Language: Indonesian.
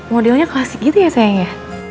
modelnya klasik gitu ya sayangnya